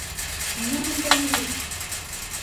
— Ниңә бында йөрөйһөң?